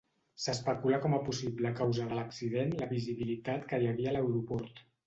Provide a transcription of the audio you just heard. S'especula com a possible causa de l'accident la visibilitat que hi havia a l'aeroport.